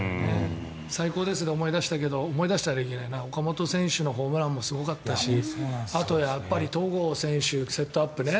最高ですで思い出したけど思い出したらいけないな岡本選手のホームランもすごかったし、あとやっぱり戸郷選手セットアップね。